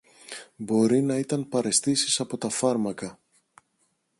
Μπορεί να ήταν παραισθήσεις από τα φάρμακα